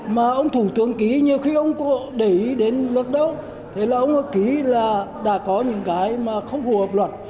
mà ông thủ tướng ký nhiều khi ông để ý đến luật đâu thì là ông có ký là đã có những cái mà không phù hợp luật